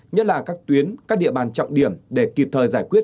nhất là các tuyến các địa bàn trọng điểm để kịp thời giải quyết